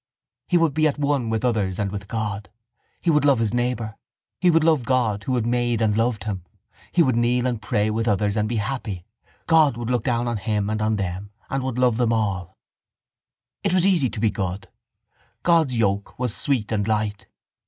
He would be at one with others and with God. He would love his neighbour. He would love God who had made and loved him. He would kneel and pray with others and be happy. God would look down on him and on them and would love them all. It was easy to be good. God's yoke was sweet and light.